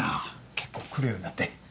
結構来るようになって。